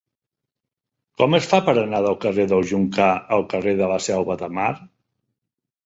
Com es fa per anar del carrer del Joncar al carrer de la Selva de Mar?